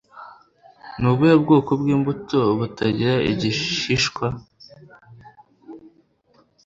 Nubuhe bwoko bwimbuto butagira igishishwa?